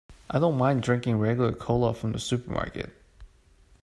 I don't mind drinking regular cola from the supermarket.